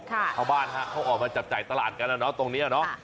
เข้าบ้านฮะเขาออกมาจับจ่ายตลาดกันละเนาะตรงเนี่ยนะ